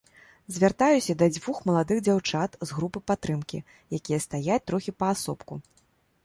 Звяртаюся да дзвюх маладых дзяўчат з групы падтрымкі, якія стаяць трохі паасобку.